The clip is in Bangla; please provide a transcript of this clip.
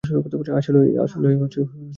আসলেই, তার সমস্যা কী?